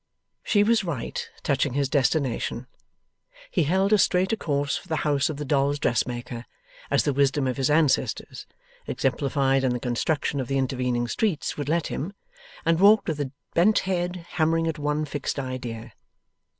She was right touching his destination. He held as straight a course for the house of the dolls' dressmaker as the wisdom of his ancestors, exemplified in the construction of the intervening streets, would let him, and walked with a bent head hammering at one fixed idea.